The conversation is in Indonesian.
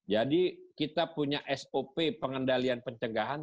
jadi kita punya sop pengendalian pencegahan